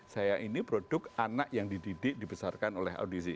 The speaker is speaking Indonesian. saya ini produk anak yang dididik dibesarkan oleh audisi